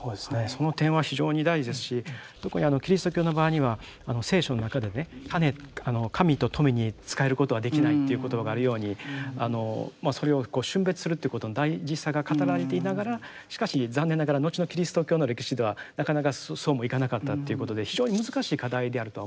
その点は非常に大事ですし特にキリスト教の場合には聖書の中でね神と富に仕えることはできないという言葉があるようにそれを峻別するってことの大事さが語られていながらしかし残念ながら後のキリスト教の歴史ではなかなかそうもいかなかったということで非常に難しい課題であるとは思うんですよね。